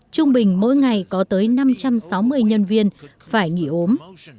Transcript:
trung bình mỗi ngày có tới năm trăm sáu mươi nhân viên phải nghỉ ốm